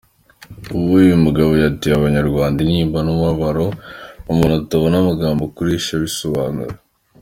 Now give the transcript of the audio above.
Uyu mugabo yateye abanyarwanda intimba n’umubabaro Umuntu atabona amagambo akoresha abisobanura.